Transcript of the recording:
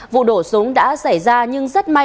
vụ đổ súng đã xảy ra nhưng rất may